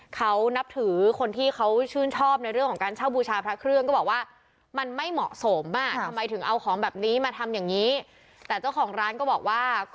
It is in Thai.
เขานับถือคนที่เขาชื่นชอบในเรื่องของการเช่าบูชาพระเครื่องก็บอกว่า